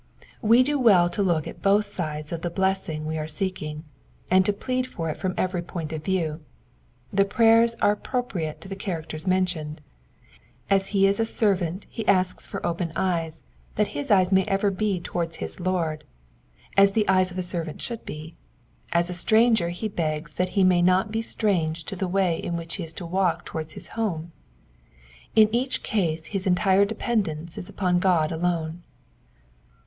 We do well to look at both sides of the blessing we are seeking, and to plead for it from every point of view. The prayers are appropriate to the characters mentioned : as he is a servant he asks for opened eyes that his eyes may ever be towards his Lord, as the eyes of a servant should be ; as a stranger he begs that he may not be strange to the way in which he is to walk towards his home. In each case his entire dependence is upon God alone.